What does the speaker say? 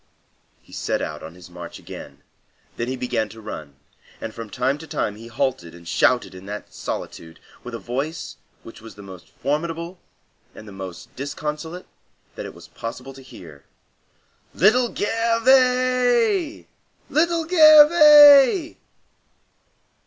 He set out on his march again, then he began to run; and from time to time he halted and shouted into that solitude, with a voice which was the most formidable and the most disconsolate that it was possible to hear, "Little Gervais! Little Gervais!"